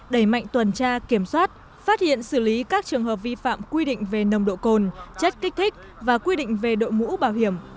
đẩy mạnh tuần tra kiểm soát phát hiện xử lý các trường hợp vi phạm quy định về nồng độ cồn chất kích thích và quy định về đội mũ bảo hiểm